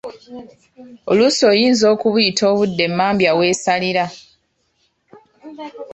Oluusi oyinza okubuyita obudde emmambya weesalira.